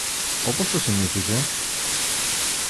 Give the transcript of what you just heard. όπως το συνήθιζε